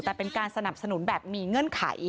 แต่เป็นการสนับสนุนแบบมีเงื่อนไข